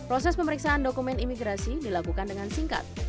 proses pemeriksaan dokumen imigrasi dilakukan dengan singkat